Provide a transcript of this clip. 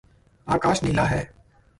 आकाश नीला है।